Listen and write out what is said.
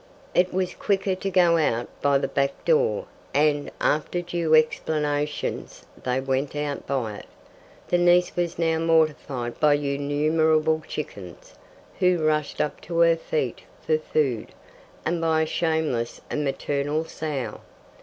It was quicker to go out by the back door, and, after due explanations, they went out by it. The niece was now mortified by unnumerable chickens, who rushed up to her feet for food, and by a shameless and maternal sow.